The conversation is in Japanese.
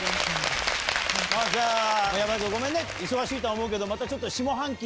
山田君ごめんね忙しいとは思うけどまたちょっと。